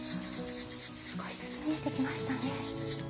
少しずつ見えてきましたね。